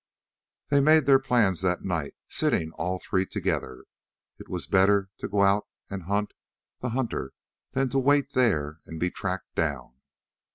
They made their plans that night, sitting all three together. It was better to go out and hunt the hunter than to wait there and be tracked down.